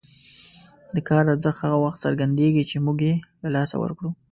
د کار ارزښت هغه وخت څرګندېږي چې موږ یې له لاسه ورکړو.